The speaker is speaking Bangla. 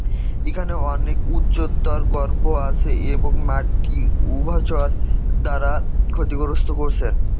এখানে অনেক উভচর গর্ত আছে এবং মাটি উভচরদের দ্বারা ক্ষতিগ্রস্ত হয়েছে।